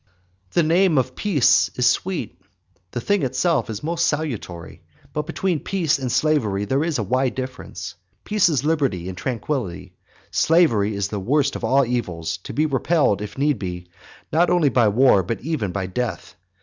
The name of peace is sweet, the thing itself is most salutary. But between peace and slavery there is a wide difference. Peace is liberty in tranquillity, slavery is the worst of all evils, to be repelled, if need be, not only by war, but even by death.